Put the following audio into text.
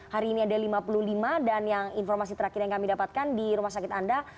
hari ini ada lima puluh lima dan yang informasi terakhir yang kami dapatkan di rumah sakit anda